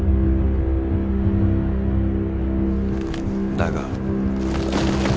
だが。